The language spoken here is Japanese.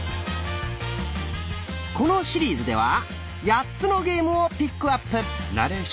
このシリーズでは８つのゲームをピックアップ。